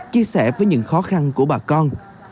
chia sẻ với những khó khăn của bà con